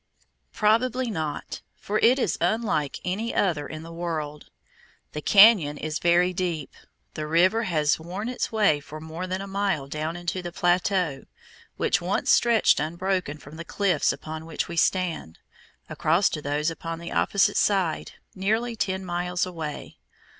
Probably not, for it is unlike any other in the world. The cañon is very deep. The river has worn its way for more than a mile down into the plateau, which once stretched unbroken from the cliffs upon which we stand, across to those upon the opposite side, nearly ten miles away.